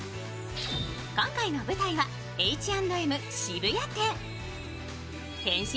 今回の舞台はＨ＆Ｍ渋谷店。